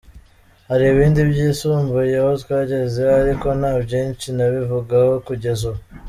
Hari ibindi byisumbuyeho twagezeho ariko nta byinshi nabivugaho kugeza ubu.